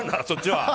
そっちは。